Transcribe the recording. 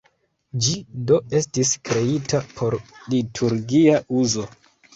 Ĝi do estis kreita por liturgia uzo.